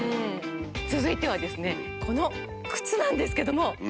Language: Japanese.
続いてはですねこの靴なんですけども。